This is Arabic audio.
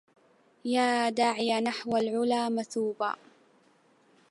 يا داعيا نحو العلاء مثوبا